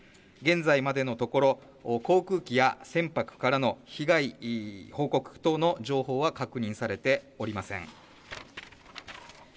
現在までのところ、航空機や船舶からの被害報告等の情報は確認されておりません。